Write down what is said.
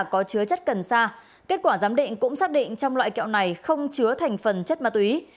có chứa chất cần sa kết quả giám định cũng xác định trong loại kẹo này không chứa thành phần chất ma túy